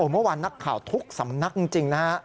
เมื่อวานนักข่าวทุกสำนักจริงนะฮะ